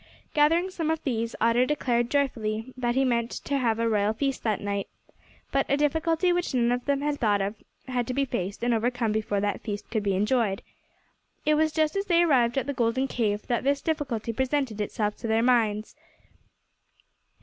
Gathering some of these, Otto declared joyfully that he meant to have a royal feast that night, but a difficulty which none of them had thought of had to be faced and overcome before that feast could be enjoyed. It was just as they arrived at the golden cave that this difficulty presented itself to their minds.